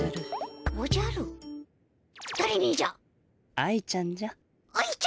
愛ちゃんじゃ。